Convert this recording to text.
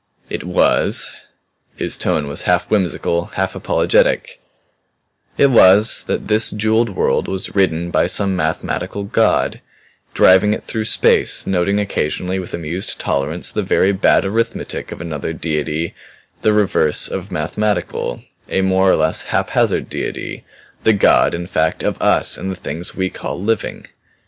It was" his tone was half whimsical, half apologetic "it was that this jeweled world was ridden by some mathematical god, driving it through space, noting occasionally with amused tolerance the very bad arithmetic of another Deity the reverse of mathematical a more or less haphazard Deity, the god, in fact, of us and the things we call living.